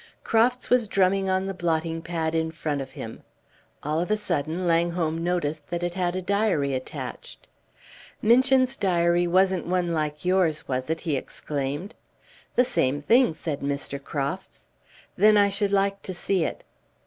Crofts was drumming on the blotting pad in front of him; all of a sudden Langholm noticed that it had a diary attached. "Minchin's diary wasn't one like yours, was it?" he exclaimed. "The same thing," said Mr. Crofts. "Then I should like to see it."